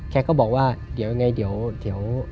แกก็บอกว่าเดี๋ยวยังไงเดี๋ยว